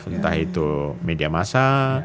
entah itu media massa